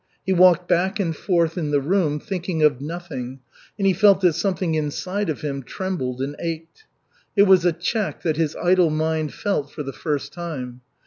He walked back and forth in the room, thinking of nothing, and he felt that something inside of him trembled and ached. It was a check that his idle mind felt for the first time.